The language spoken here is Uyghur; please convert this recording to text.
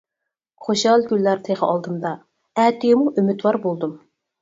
خۇشال كۈنلەر تېخى ئالدىمدا، ئەتىگىمۇ ئۈمىدۋار بولدۇم.